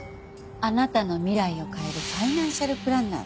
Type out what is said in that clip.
「あなたの未来を変えるファイナンシャルプランナー」。